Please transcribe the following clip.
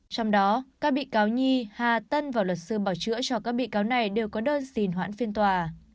trong đó các bị cáo nhi hà tân và luật sư bảo chữa cho các bị cáo này đều có đơn xin hoãn phiên tòa